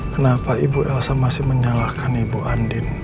kenapa ibu elsa masih menyalahkan ibu andin